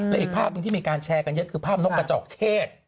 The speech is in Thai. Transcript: และอีกภาพหนึ่งที่มีการแชร์กันเยอะคือภาพนกกระจอกเทศ